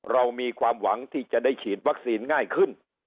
เรามีความหวังที่จะได้ฉีดวัคซีนง่ายขึ้น